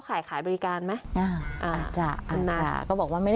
คุณค่ะ